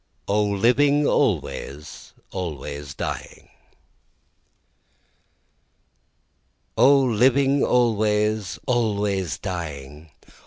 O Living Always, Always Dying O living always, always dying!